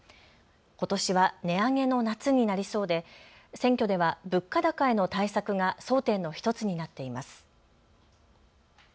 ことしは値上げの夏になりそうで選挙では物価高への対策が争点の１つになっています。